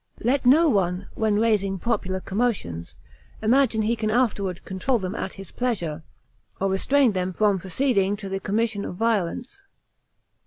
Let no one, when raising popular commotions, imagine he can afterward control them at his pleasure, or restrain them from proceeding to the commission of violence.